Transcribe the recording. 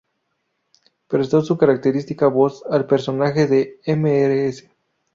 Prestó su característica voz al personaje de Mrs.